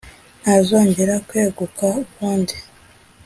ntazongera kweguka ukundi,